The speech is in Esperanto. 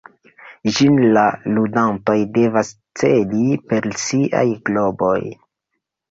Ĝin la ludantoj devas celi per siaj globoj.